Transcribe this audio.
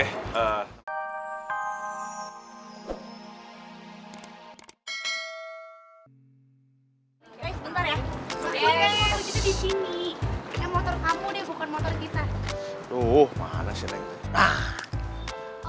disini motor kamu bukan motor kita tuh mana sih